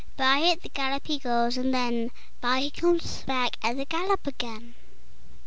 By at the gallop he goes, and then By he comes back at the gallop again.